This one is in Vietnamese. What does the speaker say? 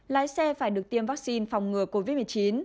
lái xe phải được tiêm vaccine phòng ngừa covid một mươi chín